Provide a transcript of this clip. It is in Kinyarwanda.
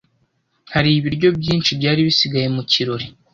Hari ibiryo byinshi byari bisigaye mu kirori.